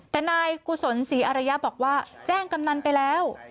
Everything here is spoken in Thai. แต่นายกุศลศรีอารยะบอกว่าแจ้งกำนันไปแล้ว